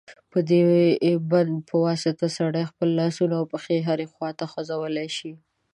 په دې بند په واسطه سړی خپل لاسونه او پښې هرې خواته خوځولای شي.